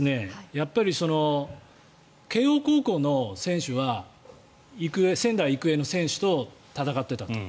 やっぱり慶応高校の選手は仙台育英の選手と戦っていたと。